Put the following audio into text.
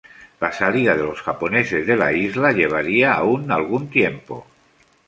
La salida de los japoneses de la isla llevaría aún algún tiempo.